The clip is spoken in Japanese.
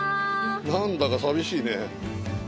何だか寂しいね。